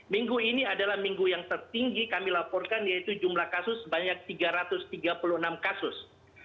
minggu ini adalah minggu yang tertinggi kami laporkan yaitu jumlah kasus sebanyak tiga ratus tiga puluh enam kasus